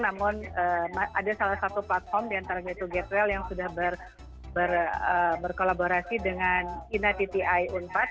namun ada salah satu platform diantara yaitu getwell yang sudah berkolaborasi dengan inatiti iunpad